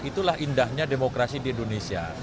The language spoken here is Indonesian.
itulah indahnya demokrasi di indonesia